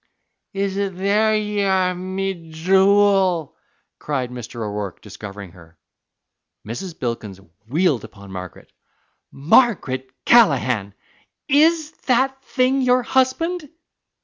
"Is it there ye are, me jew'l!" cried Mr. O'Rourke, discovering her. Mrs. Bilkins wheeled upon Margaret. "Margaret Callaghan, is that thing your husband?"